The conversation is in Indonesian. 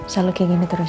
selalu kayak gini terus ya